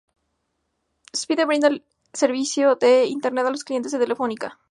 Speedy brinda el servicio de Internet a los clientes de Telefónica.